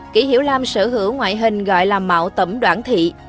kỷ hiểu lam sở hữu ngoại hình gọi là mạo tẩm đoạn thiệp